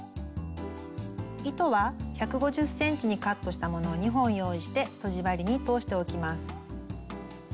糸は１５０ｃｍにカットしたものを２本用意してとじ針に通しておきます。